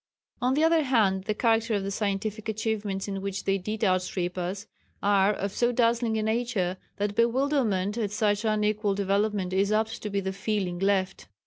On the other hand, the character of the scientific achievements in which they did outstrip us are of so dazzling a nature, that bewilderment at such unequal development is apt to be the feeling left.